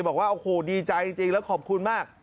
บอกว่าโอ้โหดีใจจริงแล้วขอบคุณมาก